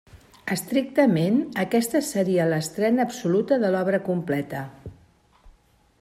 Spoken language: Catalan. Estrictament, aquesta seria l'estrena absoluta de l'obra completa.